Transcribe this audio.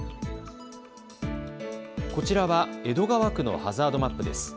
こちらは、江戸川区のハザードマップです。